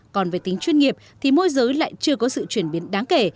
còn về tính chuyên nghiệp thì môi giới lại chưa có sự chuyển biến đáng kể